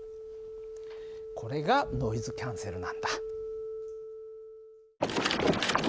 これがノイズキャンセルなんだ。